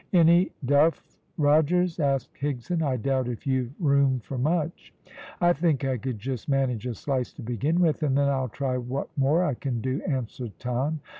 "Any duff, Rogers?" asked Higson; "I doubt if you've room for much." "I think I could just manage a slice to begin with, and then I'll try what more I can do," answered Tom.